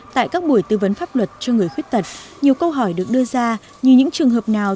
tại các buổi tư vấn pháp luật cho người khuyết tật nhiều câu hỏi được đưa ra như những trường hợp nào